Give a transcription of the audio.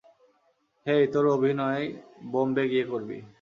হেই, তোর অভিনয় বোম্বে গিয়ে করবি।